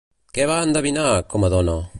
Què va endevinar, com a dona?